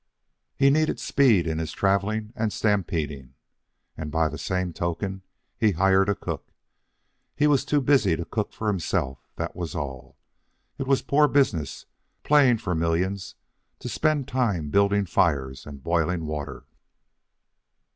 He needed speed in his travelling and stampeding. And by the same token, he hired a cook. He was too busy to cook for himself, that was all. It was poor business, playing for millions, to spend time building fires and boiling water.